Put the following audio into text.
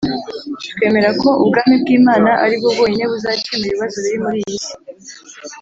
Twemera ko Ubwami bw Imana ari bwo bwonyine buzakemura ibibazo biri muri iyi si